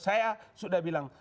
saya sudah bilang